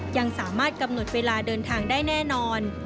ยังสามารถกำหนดเวลาเดินทางได้แน่นอน